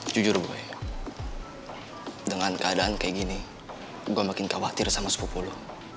jujur boy dengan keadaan kayak gini gue makin khawatir sama sepupu lo